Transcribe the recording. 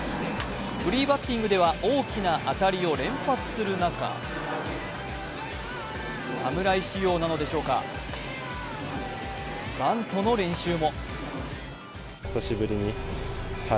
フリーバッティングでは大きな当たりを連発する中、侍仕様なのでしょうかバントの練習も。